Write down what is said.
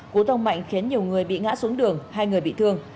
cú tông mạnh khiến nhiều người bị ngã xuống đường hai người bị thương